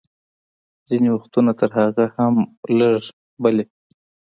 ځینې وختونه تر هغه هم لږ، بلې.